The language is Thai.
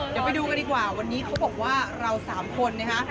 เดี๋ยวไปดูกันดีกว่าวันนี้เขาบอกว่าเราสามคนนะคะ